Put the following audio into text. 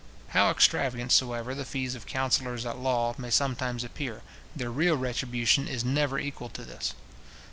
How extravagant soever the fees of counsellors at law may sometimes appear, their real retribution is never equal to this.